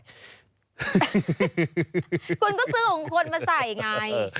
คุณก็ซื้อของคนมาใส่ไง